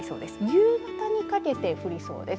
夕方にかけて降りそうです。